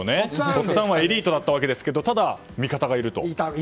とっつぁんはエリートだったわけですけどただ、味方がいると。